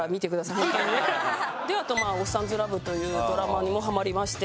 あと『おっさんずラブ』というドラマにもハマりまして。